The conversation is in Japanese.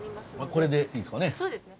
これでいいですかね。